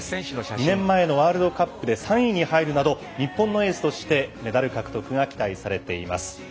２年前のワールドカップで３位に入るなど日本のエースとしてメダル獲得が期待されています。